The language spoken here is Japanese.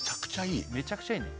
めちゃくちゃいい